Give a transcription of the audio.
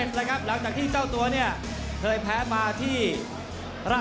โอ้โหเอ็กย์ชันเลยนะครับ